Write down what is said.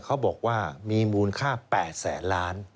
เขาบอกว่ามีมูลค่า๘แสนล้าน